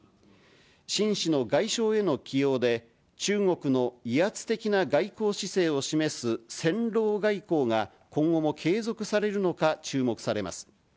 秦氏の外相への起用で、中国の威圧的な外交姿勢を示す戦狼外交が、今後も継続されるのか注目されます。